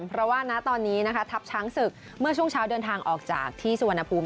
เพราะว่าณตอนนี้นะคะทัพช้างศึกเมื่อช่วงเช้าเดินทางออกจากที่สุวรรณภูมิ